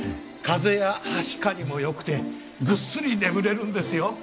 風邪やはしかにも良くてぐっすり眠れるんですよ。